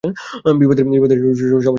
বিবাদের সমাধান করার একটা সাইবেরিয়ান রীতি।